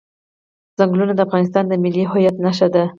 چنګلونه د افغانستان د ملي هویت نښه ده.